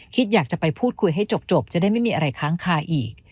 คิดอยากจะไปพูดคุยให้จบจะได้ไม่มีอะไรค้างคาอีก